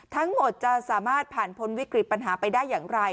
ทั้งหมดจะสามารถผ่านพ้นวิกฤตปัญหาไปได้อย่างไร